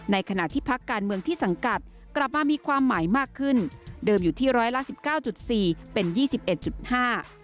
ขณะที่พักการเมืองที่สังกัดกลับมามีความหมายมากขึ้นเดิมอยู่ที่ร้อยละสิบเก้าจุดสี่เป็นยี่สิบเอ็ดจุดห้า